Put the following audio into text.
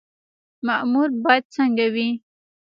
مامور باید څنګه وي؟